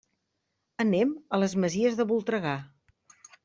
Anem a les Masies de Voltregà.